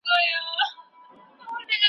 روښانه ستورو ورته ستا د راتلو نښه ورکړه